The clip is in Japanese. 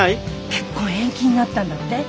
結婚延期になったんだって？